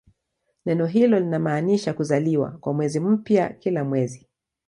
Neno hilo linamaanisha "kuzaliwa" kwa mwezi mpya kila mwezi.